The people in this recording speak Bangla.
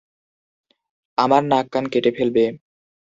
আমার নাক কান কেটে ফেলবে।